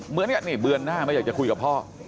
เหมือนกันนี่เบือนหน้าไม่อยากจะคุยกับพ่อ